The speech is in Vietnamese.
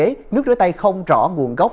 để nước rửa tay không rõ nguồn gốc